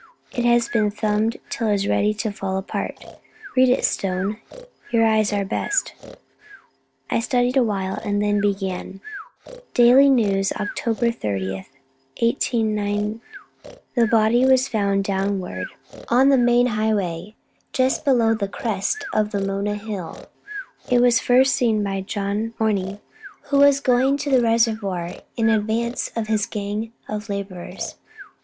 It has been thumbed till it is ready to fall apart. Read it, Stone. Your eyes are best." I studied a while, and then began: "DAILY NEWS, _October 30, 189 _. The body was found face downward, on the main Highway, just below the crest of the Mona Hill. It was first seen by John Morney, who was going to the reservoir in advance of his gang of laborers.